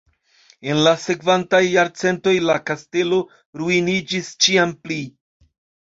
En la sekvantaj jarcentoj la kastelo ruiniĝis ĉiam pli.